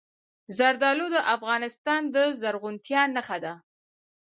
زردالو د افغانستان د زرغونتیا نښه ده.